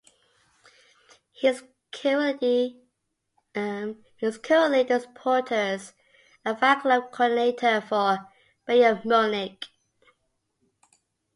He is currently the supporters and fan club coordinator for Bayern Munich.